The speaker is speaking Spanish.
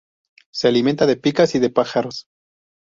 Se alimenta de picas y de pájaros.